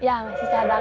iya masih cadangan